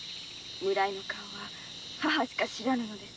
顔は母しか知らぬのです。